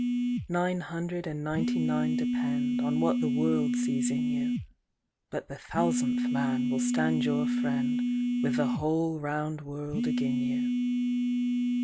Nine hundred and ninety nine dependOn what the world sees in you, But the Thousandth Man will stand your friendWith the whole round world agin you.